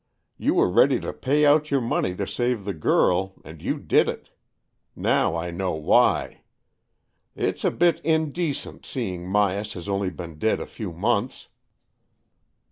^ You were ready to pay out your money to save the girl, and you did it. Now I know why. It's a bit indecent, seeing Myas has only been dead a few months."